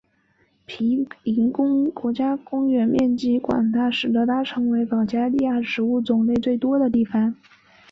皮林国家公园面积广大使得它成为保加利亚植物种类最多的地方。